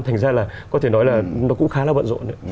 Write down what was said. thành ra là có thể nói là nó cũng khá là bận rộn